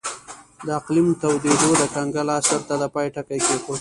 د اقلیم تودېدو د کنګل عصر ته د پای ټکی کېښود